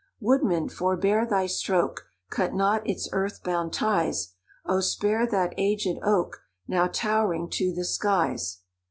Woodman, forbear thy stroke! Cut not its earth bound ties; Oh spare that aged oak, Now towering to the skies!